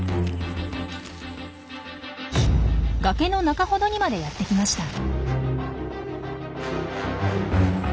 崖の中ほどにまでやってきました。